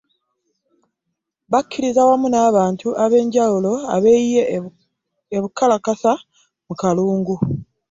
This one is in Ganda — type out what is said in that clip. Bakkiriza wamu n'abantu ab'enjawulo abeeyiye e Bukalakasa mu Kalungu.